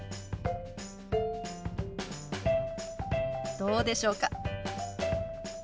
どうでしょうか？